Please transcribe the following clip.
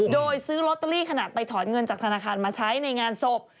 โดยซื้อลอตเตอรี่ขนาดไปถอนเงินจากธนาคารมาใช้ในงานศพ